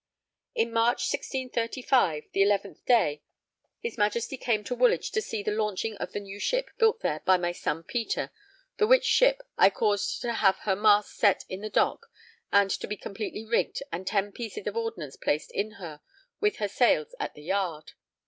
In March, 1635, the 11th day, his Majesty came to Woolwich to see the launching of the new ship built there by my son Peter, the which ship I caused to have her masts set in the dock and to be completely rigged and ten pieces of ordnance placed in her, with her sails at the yard.